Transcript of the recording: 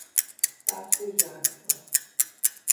بخش ژرفنا